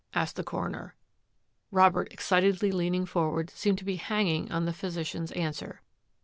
asked the coroner. Robert, excitedly leaning forward, seemed to be hanging on the physician's answer.